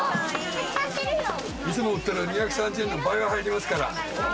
いつも売ってる２３０円の倍は入りますから。